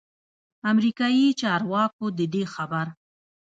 امریکايي چارواکو ددې خبر